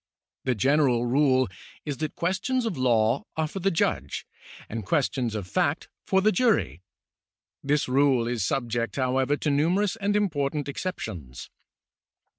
The general rule is that questions of law are for the judge and questions of fact for the jury. This rule is subject, however, to numerous and important exceptions.